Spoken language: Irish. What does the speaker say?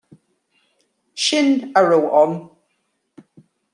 Sin a raibh ann.